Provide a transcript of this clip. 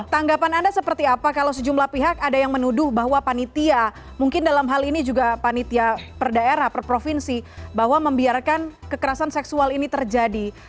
tanggapan anda seperti apa kalau sejumlah pihak ada yang menuduh bahwa panitia mungkin dalam hal ini juga panitia per daerah per provinsi bahwa membiarkan kekerasan seksual ini terjadi